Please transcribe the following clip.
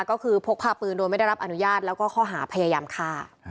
ก็คือพกพาปืนโดยไม่ได้รับอนุญาตแล้วก็ข้อหาพยายามฆ่า